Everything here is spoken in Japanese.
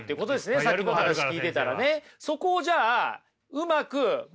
さっきも話聞いてたらね。